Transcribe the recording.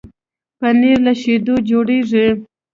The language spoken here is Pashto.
پنېر له شيدو جوړېږي.